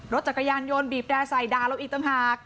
รถจักรยานยนต์บีบแดร์ไซดาแล้วอีกต่างหาก